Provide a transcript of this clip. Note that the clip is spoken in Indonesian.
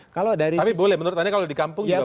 tapi boleh menurut anda kalau di kampung juga